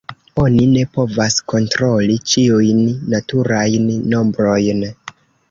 Oni ne povas kontroli ĉiujn naturajn nombrojn.